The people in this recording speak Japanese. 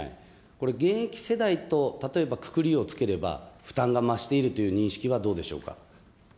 これ、現役世代と例えば、くくりをつければ、負担が増しているという認識はどうでしょうか。